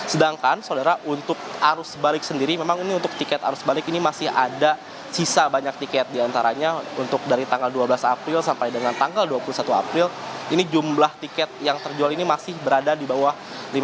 sedangkan saudara untuk arus balik sendiri memang ini untuk tiket arus balik ini masih ada sisa banyak tiket diantaranya untuk dari tanggal dua belas april sampai dengan tanggal dua puluh satu april ini jumlah tiket yang terjual ini masih berada di bawah lima puluh